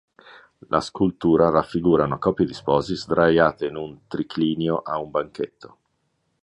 La scultura raffigura una coppia di sposi sdraiata in un triclinio a un banchetto.